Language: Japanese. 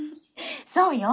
そうよ。